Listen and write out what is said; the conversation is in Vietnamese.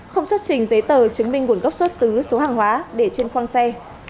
không xuất trình giấy tờ chứng minh nguồn gốc xuất xứ số hàng hóa để trên khoang xe